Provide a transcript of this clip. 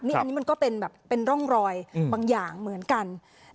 อันนี้มันก็เป็นแบบเป็นร่องรอยบางอย่างเหมือนกัน